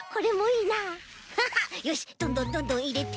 よしどんどんどんどんいれて。